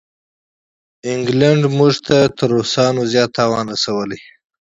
انګلینډ موږ ته تر روسانو زیات تاوان رسولی دی.